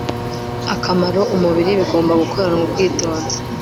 akamaro umubiri bigomba gukoranwa ubwitonzi